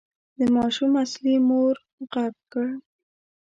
د ماشوم اصلي مور غږ کړ.